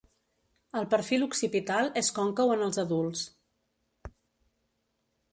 El perfil occipital és còncau en els adults.